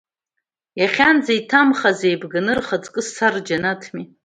Иахьанӡа иҭамхаз еибганы рхаҵкы сцар, џьанаҭми.